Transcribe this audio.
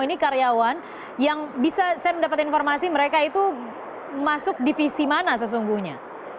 ini karyawan yang bisa saya mendapat informasi mereka itu masuk divisi mana sesungguhnya